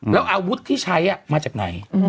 แล้วอาวุธที่ใช้มาจากไหน